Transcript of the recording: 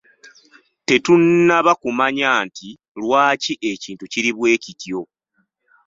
Tetunnaba kumanya nti: Lwaki ekintu kiri bwe kityo?